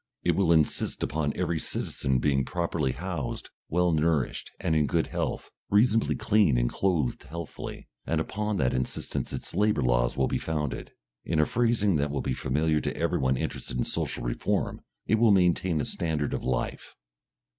It will insist upon every citizen being being properly housed, well nourished, and in good health, reasonably clean and clothed healthily, and upon that insistence its labour laws will be founded. In a phrasing that will be familiar to everyone interested in social reform, it will maintain a standard of life.